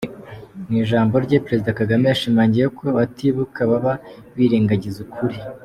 Mu ijambo rye, Perezida Kagame, yashimangiye ko abatibuka baba birengagiza ukuri.